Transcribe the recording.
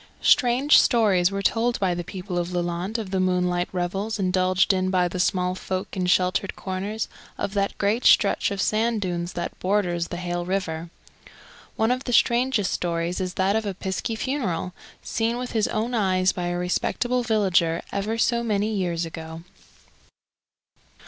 Strange stories were told by the people of Lelant of the moonlight revels indulged in by the small folk in sheltered corners of that great stretch of sand dunes that borders the Hayle river. One of the strangest stories is that of a piskie funeral, seen with his own eyes by a respectable villager ever so many years ago.